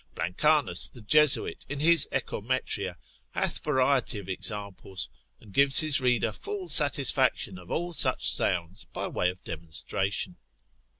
Blancanus the Jesuit, in his Echometria, hath variety of examples, and gives his reader full satisfaction of all such sounds by way of demonstration.